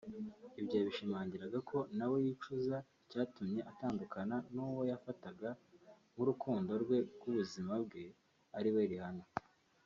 Ibyo yabishingiraga ko ngo nawe yicuza icyatumye atandukana n’uwo yafataga nk’urukundo rw’ubuzima bwe ariwe Rihanna